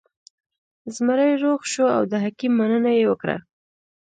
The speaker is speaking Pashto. زمری روغ شو او د حکیم مننه یې وکړه.